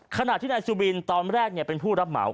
ขณะที่นายสุบินตอนแรกเป็นผู้รับเหมา